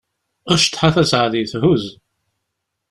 Cḍeḥ a Taseɛdit, huz!